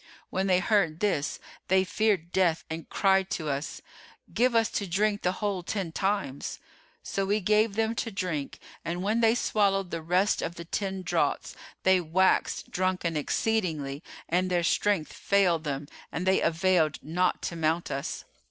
When they heard this, they feared death and cried to us, 'Give us to drink the whole ten times.' So we gave them to drink, and when they had swallowed the rest of the ten draughts they waxed drunken exceedingly and their strength failed them and they availed not to mount us.